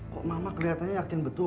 kok mama kelihatannya yakin betul